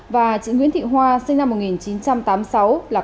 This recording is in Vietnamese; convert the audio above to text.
và chị nguyễn thị hoa sinh năm một nghìn chín trăm tám mươi sáu là